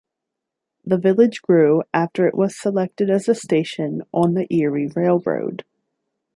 The village grew after it was selected as a station on the Erie Railroad.